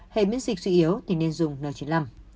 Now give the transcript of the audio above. hay miễn dịch dữ yếu thì nên dùng n chín mươi năm